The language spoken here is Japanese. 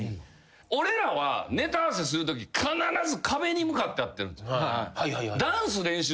俺らはネタ合わせするとき必ず壁に向かってやってる。